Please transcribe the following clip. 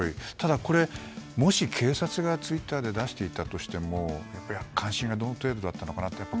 ただ、これもし警察がツイッターで出していたとしても関心がどの程度だったのかなと。